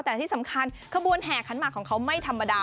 แต่ที่สำคัญขบวนแห่ขันหมากของเขาไม่ธรรมดา